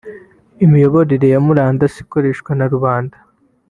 Imiyoboro ya murandasi ikoreshwa na rubanda